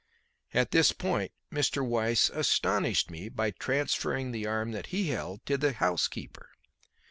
At this point Mr. Weiss astonished me by transferring the arm that he held to the housekeeper.